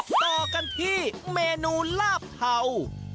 ต่อกันที่เมนูลาบเทา